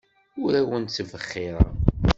Ur awent-ttbexxireɣ.